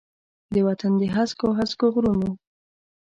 د وطن د هسکو، هسکو غرونو،